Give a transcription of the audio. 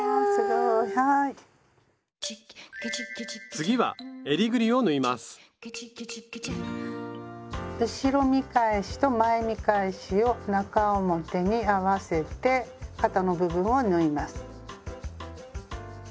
次は後ろ見返しと前見返しを中表に合わせて肩の部分を縫います。